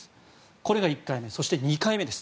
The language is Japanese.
これが１回目そして、２回目です。